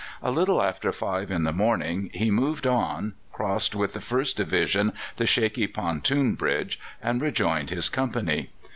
A little after five in the morning he moved on, crossed with the first division the shaky pontoon bridge, and rejoined his company.